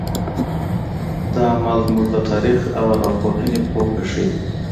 دا عمل زموږ د تاریخ او ارواپوهنې پوهه ښیي.